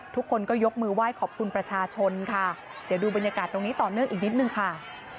ทุกคนก็ยกมือไหว้ขอบคุณประชาชนค่ะเดี๋ยวดูบรรยากาศตรงนี้ต่อเนื่องอีกนิดนึงค่ะ